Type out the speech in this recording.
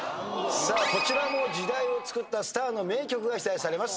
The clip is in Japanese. こちらも時代をつくったスターの名曲が出題されます。